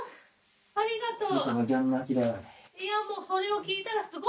ありがとう。